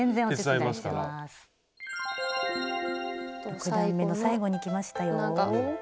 ６段めの最後にきましたよ。